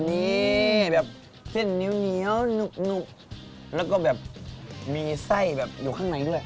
นี่แบบเส้นเหนียวหนุบแล้วก็แบบมีไส้แบบอยู่ข้างในด้วย